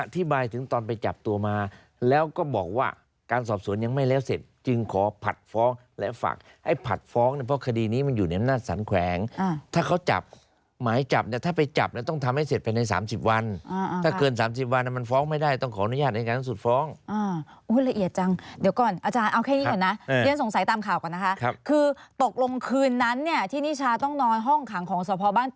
ที่นิชาต้องนอนห้องคังของสภาวบ้านตากอยู่ที่ดุลพินิศ